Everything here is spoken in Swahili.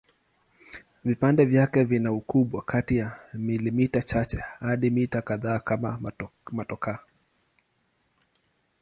Vipande vyake vina ukubwa kati ya milimita chache hadi mita kadhaa kama motokaa.